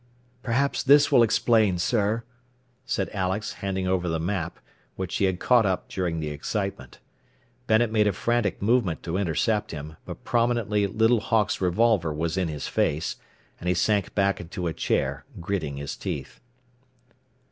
"Perhaps this will explain, sir," said Alex, handing over the map, which he had caught up during the excitement. Bennet made a frantic move to intercept him, but promptly Little Hawk's revolver was in his face, and he sank back into a chair, gritting his teeth.